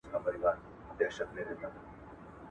مسواک وهل د انسان په ذهن کې نوې فکرونه پیدا کوي.